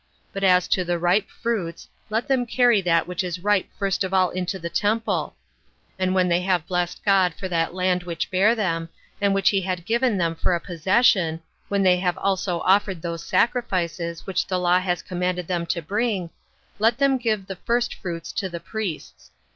But as to the ripe fruits, let them carry that which is ripe first of all into the temple; and when they have blessed God for that land which bare them, and which he had given them for a possession, when they have also offered those sacrifices which the law has commanded them to bring, let them give the first fruits to the priests.